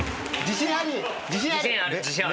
自信ある。